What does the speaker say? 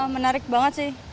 menarik banget sih